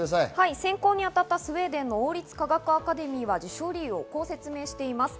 選考に当たったスウェーデンの王立科学アカデミーは、受賞理由をこう説明しています。